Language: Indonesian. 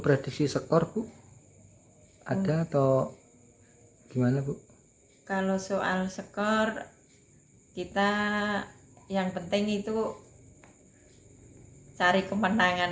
tradisi skor bu ada atau gimana bu kalau soal skor kita yang penting itu cari kemenangan